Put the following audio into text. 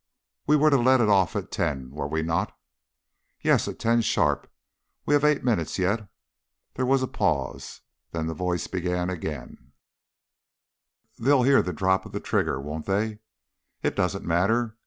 "We were to let it off at ten, were we not?" "Yes, at ten sharp. We have eight minutes yet." There was a pause. Then the voice began again "They'll hear the drop of the trigger, won't they?" "It doesn't matter.